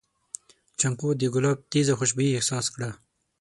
جانکو د ګلاب تېزه خوشبويي احساس کړه.